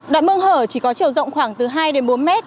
đoạn mương hở chỉ có chiều rộng khoảng từ hai đến bốn mét